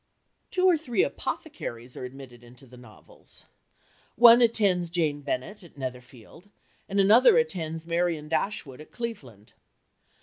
Two or three apothecaries are admitted into the novels. One attends Jane Bennet at Netherfield, and another attends Marianne Dashwood at Cleveland.